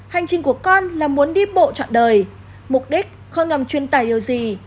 hành trình của con là muốn đi bộ trọn đời mục đích không ngầm chuyên tài điều gì